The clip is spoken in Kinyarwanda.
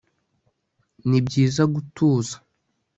nibyiza gutuza